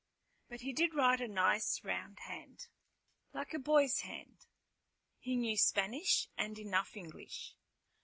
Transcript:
But he did write a nice round hand, like a boy's hand. He knew Spanish, and enough English.